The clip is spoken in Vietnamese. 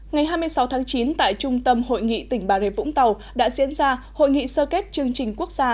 ngày hai mươi sáu tháng chín tại trung tâm hội nghị tỉnh bà rịa vũng tàu đã diễn ra hội nghị sơ kết chương trình quốc gia